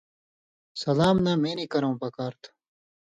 سلام نہ مِنیۡ کرؤں پکار تھو۔